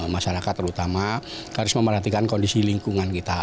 masyarakat terutama harus memperhatikan kondisi lingkungan kita